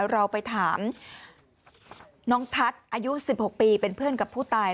เราไปถามน้องทัศน์อายุ๑๖ปีเป็นเพื่อนกับผู้ตาย